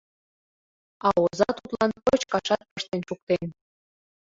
А оза тудлан кочкашат пыштен шуктен.